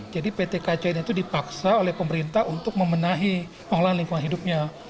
jadi pt kcn itu dipaksa oleh pemerintah untuk memenahi pengelolaan lingkungan hidupnya